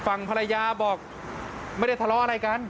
ฝั่งภรรยาบอกไม่ได้ทะเลาะอะไรกัน